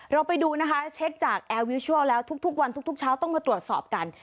เราไปดูนะคะเช็คจากแอร์วิวชัลแล้วทุกวันทุกเช้าต้องมาตรวจสอบกัน